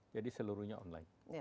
jadi seluruhnya online